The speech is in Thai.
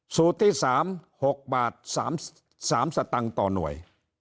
สูตรที่๓๖บาท๓สตังค์ต่อหน่วย